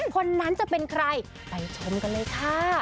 คนนั้นจะเป็นใครไปชมกันเลยค่ะ